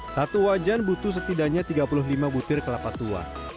satu wajan butuh setidaknya tiga puluh lima butir kelapa tua